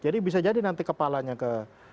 jadi bisa jadi nanti kepalanya ke